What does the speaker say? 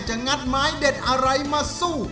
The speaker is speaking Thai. งัดไม้เด็ดอะไรมาสู้